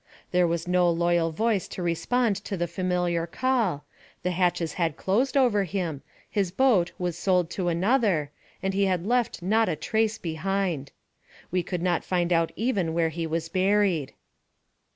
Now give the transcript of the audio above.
There was no loyal voice to respond to the familiar call, the hatches had closed over him, his boat was sold to another, and he had left not a trace behind. We could not find out even where he was buried.